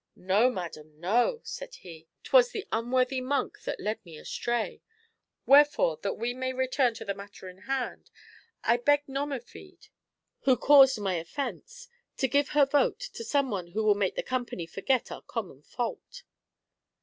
" No, madam, no," said he ;" 'twas the unworthy monk that led me astray. Wherefore, that we may return to the matter in hand, I beg Nomerfide, who ioo THE HEPrAMERON. caused my offence, to give her vote to some one who will make the company forget our common fault."